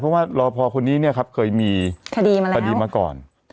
เพราะว่ารอพอร์คนนี้เนี่ยครับเคยมีคดีมาก่อน